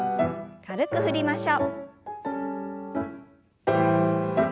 軽く振りましょう。